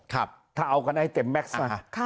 ถ้าเอากันให้เต็มแม็กซ่า